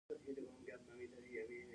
ازادي راډیو د اقلیم پرمختګ سنجولی.